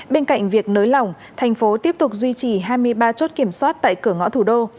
bên cạnh việc nới lỏng thành phố tiếp tục duy trì hai mươi ba chốt kiểm soát tại cửa ngõ thủ đô